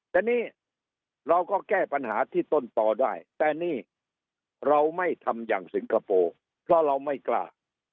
แต่นี่เราก็แก้ปัญหาที่ต้นต่อได้แต่นี่เราไม่ทำอย่างสิงคโปร์เพราะเราไม่กล้า